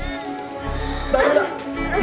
大丈夫だ。